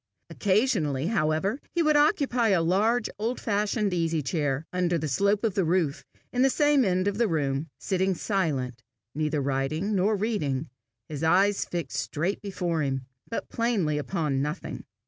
Occasionally, however, he would occupy a large old fashioned easy chair, under the slope of the roof, in the same end of the room, sitting silent, neither writing nor reading, his eyes fixed straight before him, but plainly upon nothing.